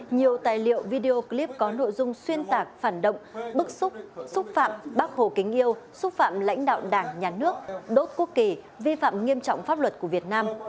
nhiều tài liệu video clip có nội dung xuyên tạc phản động bức xúc xúc phạm bác hồ kính yêu xúc phạm lãnh đạo đảng nhà nước đốt quốc kỳ vi phạm nghiêm trọng pháp luật của việt nam